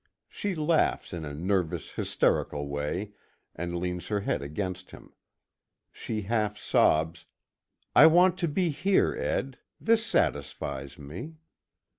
She laughs in a nervous, hysterical way, and leans her head against him. She half sobs: "I want to be here, Ed. This satisfies me."